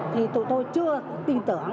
thì tụi tôi chưa tin tưởng